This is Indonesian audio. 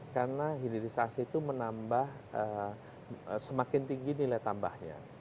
karena hilirisasi itu menambah semakin tinggi nilai tambahnya